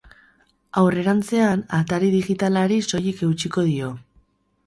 Aurrerantzean, atari digitalari soilik eutsiko dio.